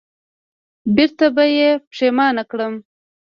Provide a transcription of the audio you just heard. بېرته به یې پښېمان کړم